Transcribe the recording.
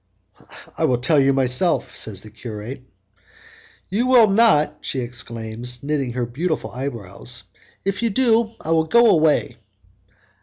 "I will tell you myself," says the curate. "You will not," she exclaims, knitting her beautiful eyebrows. "If you do I will go away."